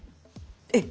えっ！